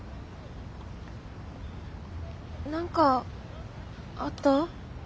何かあった？